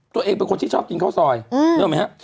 ตัวเองเป็นคนที่ชอบกินข้าวซอยนึกออกไหมฮะ